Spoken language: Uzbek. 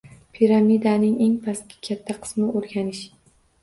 Piramidaning eng pastki katta qismi o’rganish.